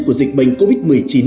của dịch bệnh covid một mươi chín